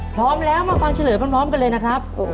พร้อมแล้วมาฟังเฉลยพร้อมกันเลยนะครับ